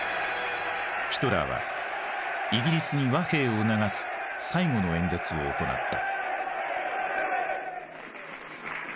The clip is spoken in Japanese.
ヒトラーはイギリスに和平を促す最後の演説を行った。